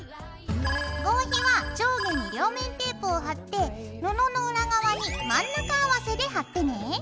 合皮は上下に両面テープを貼って布の裏側に真ん中合わせで貼ってね。